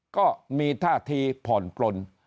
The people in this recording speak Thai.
ก็มีท่าทีผ่อนปลน